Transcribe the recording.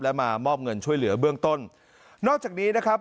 และมามอบเงินช่วยเหลือเบื้องต้นนอกจากนี้นะครับ